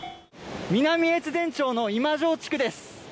南越前町の今庄地区です。